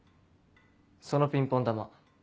そのピンポン球